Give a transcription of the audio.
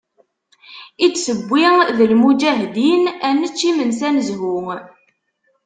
I d-tewwi d lmuǧahdin, ad nečč imensi ad nezhu.